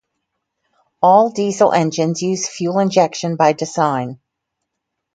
All diesel engines use fuel injection by design.